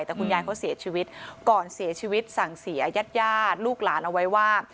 แต่คุณยายเขาเสียชีวิตก่อนเสียชีวิตสั่งเสียญาติลูกหลานเอาไว้ว่า